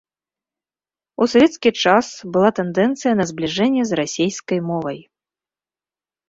У савецкі час была тэндэнцыя на збліжэнне з расейскай мовай.